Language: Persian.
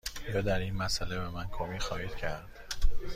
یا در این مسأله به من کمک خواهید کرد؟